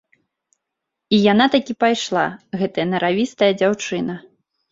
І яна такі пайшла, гэтая наравістая дзяўчына.